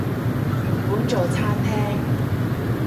原本做餐廳